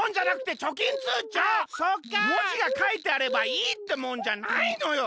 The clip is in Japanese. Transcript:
もじがかいてあればいいってもんじゃないのよ。